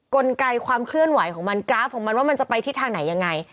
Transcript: กลไกความเคลื่อนไหวของมันกราฟของมันว่ามันจะไปทิศทางไหนยังไง